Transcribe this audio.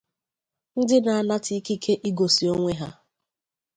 Ndia na-anata ikike igosi onwe ha.